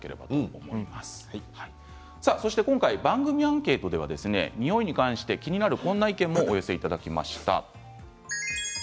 今回、番組アンケートでは匂いに関して気になるこんな意見もお寄せいただきました。